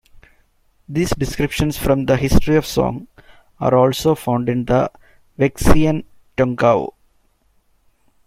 These descriptions from the "History of Song" are also found in the "Wenxian Tongkao".